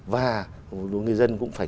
và người dân cũng phải